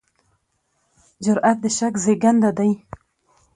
جرئت د شک زېږنده دی.